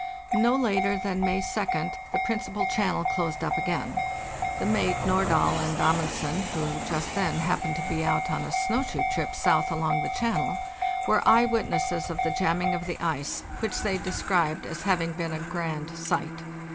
No later than May 2d the principal channel closed up again. The mate, Nordahl, and Amundsen, who just then happened to be out on a snow shoe trip south along the channel, were eye witnesses of the jamming of the ice, which they described as having been a grand sight.